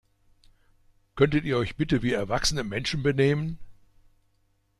Könntet ihr euch bitte wie erwachsene Menschen benehmen?